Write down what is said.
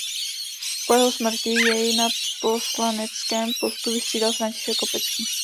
Po jeho smrti jej na poslaneckém postu vystřídal František Kopecký.